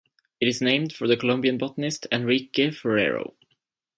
It is named for the Colombian botanist Enrique Forero.